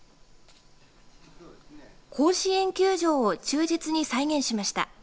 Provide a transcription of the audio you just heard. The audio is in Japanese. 甲子園球場を忠実に再現しました。